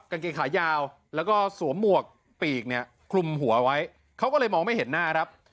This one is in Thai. กางเกงขายาวแล้วก็สวมหมวกปีกเนี่ยคลุมหัวไว้เขาก็เลยมองไม่เห็นหน้าครับ